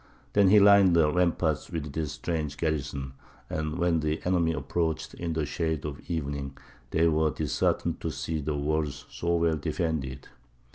Then he lined the ramparts with this strange garrison, and when the enemy approached in the shades of evening, they were disheartened to see the walls so well defended.